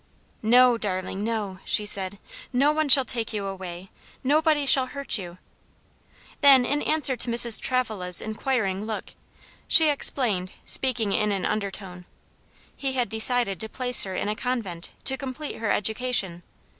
"No, darling, no," she said, "no one shall take you away; nobody shall hurt you." Then in answer to Mrs. Travilla's inquiring look, she explained, speaking in an undertone: "He had decided to place her in a convent, to complete her education.